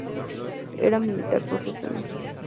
Era militar profesional.